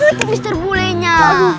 jadi suci mister bule nya